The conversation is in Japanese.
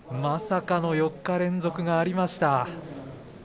まさかの４日連続がありました。